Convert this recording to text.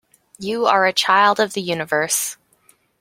You are a child of the universe